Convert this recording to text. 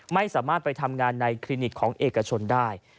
ไม่สามารถไปทำงานในคลินิกของเอกชนได้